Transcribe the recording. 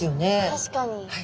確かに。